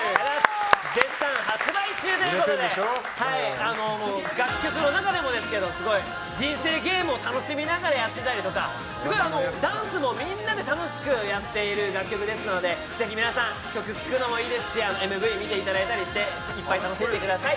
絶賛発売中ということで楽曲の中でも人生ゲームを楽しみながらやってたりダンスも楽しくやっている楽曲ですのでぜひ皆さん曲聴くのもいいですしＭＶ見ていただいたりしていっぱい楽しんでください。